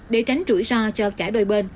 để tránh rủi ro cho cả đôi bên